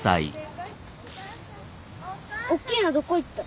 おっきいのどこ行った？